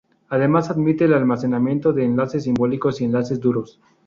Además admite el almacenamiento de enlaces simbólicos y "enlaces duros".